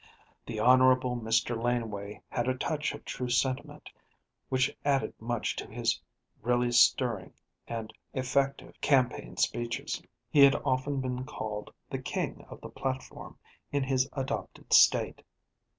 The Honorable Mr. Laneway had a touch of true sentiment which added much to his really stirring and effective campaign speeches. He had often been called the "king of the platform" in his adopted State.